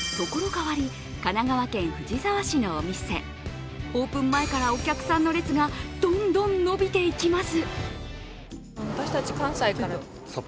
変わり、神奈川県藤沢市のお店オープン前から、お客さんの列がどんどん伸びていきます。